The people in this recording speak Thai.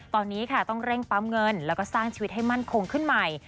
ตอนนี้ค่ะต้องเร่งปั๊มเงินแล้วก็สร้างชีวิตให้มั่นคงขึ้นใหม่